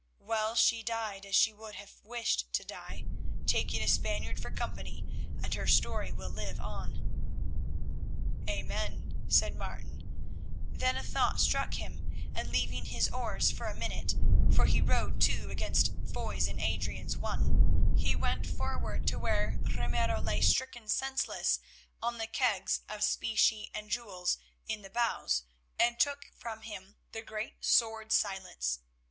Well, she died as she would have wished to die, taking a Spaniard for company, and her story will live on." "Amen," said Martin. Then a thought struck him, and, leaving his oars for a minute, for he rowed two as against Foy's and Adrian's one, he went forward to where Ramiro lay stricken senseless on the kegs of specie and jewels in the bows, and took from him the great sword Silence.